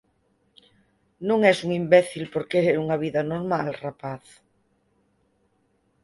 Non es un imbécil por querer unha vida normal, rapaz.